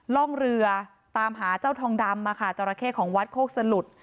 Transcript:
ร่องเรือตามหาเจ้าทองดำจราเข้ของวัดโคกสลุด